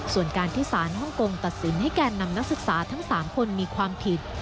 ส่วนการที่สารฮ่องกงตัดสินให้แก่นำนักศึกษาทั้ง๓คนมีความผิด